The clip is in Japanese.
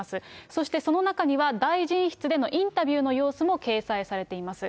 そしてその中には大臣室でのインタビューの様子も掲載されています。